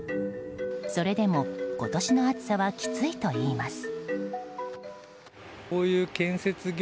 それでも、今年の暑さはきついといいます。